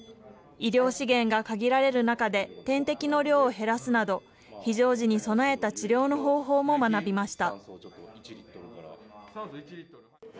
医療資源が限られる中で、点滴の量を減らすなど、非常時に備えた治療の方法も学びました。